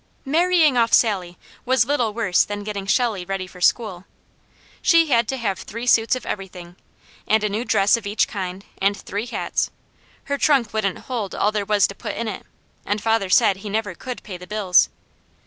Marrying off Sally was little worse than getting Shelley ready for school. She had to have three suits of everything, and a new dress of each kind, and three hats; her trunk wouldn't hold all there was to put in it; and father said he never could pay the bills.